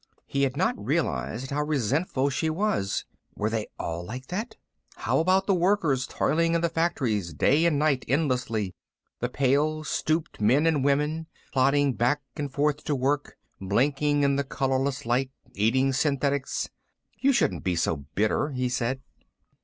He had not realized how resentful she was. Were they all like that? How about the workers toiling in the factories, day and night, endlessly? The pale, stooped men and women, plodding back and forth to work, blinking in the colorless light, eating synthetics "You shouldn't be so bitter," he said.